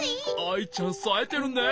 アイちゃんさえてるね。